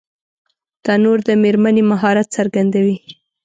تنور د مېرمنې مهارت څرګندوي